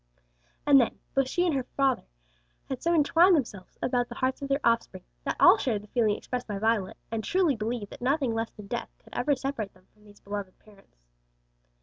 And then both she and their father had so entwined themselves about the hearts of their offspring, that all shared the feeling expressed by Violet, and truly believed that nothing less than death could ever separate them from these beloved parents.